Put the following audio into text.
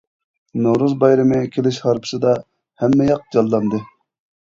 نورۇز بايرىمى كېلىش ھارپىسىدا ھەممە ياق جانلاندى.